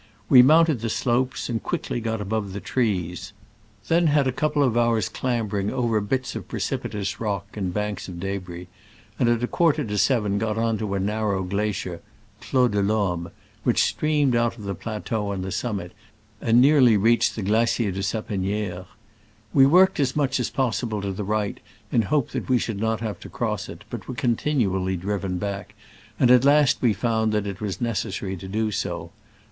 We mounted the slopes, and quickly got above th^ trees, then ^ad a couple of hours* clambering over Digitized by Google SCRAMBLES AMONGST THE ALAS yJ^..^^§o^'e9^ %% bits of precipitous rock and banks of d6bris, and at a quarter to seven got to a narrow glacier — Clos de T Homme — which streamed out of the plateau on the summit, and nearly reached the glacier de Sapeni^re. We worked as much as possible to the right, in hope that we should not have to cross it, but were continually driven back, and at last we found that it was necessary to do so.